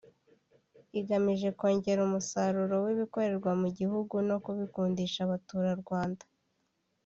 igamije kongera umusaruro w’ibikorerwa mu gihugu no kubikundisha Abaturarwanda